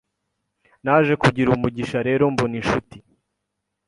Naje kugira umugisha rero mbona inshuti